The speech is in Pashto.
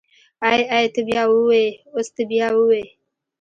ای ای ته بيا ووی اوس ته بيا ووی.